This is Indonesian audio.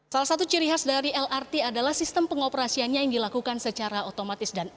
salah satu ciri khas dari lrt adalah sistem pengoperasiannya yang dilakukan secara otomatis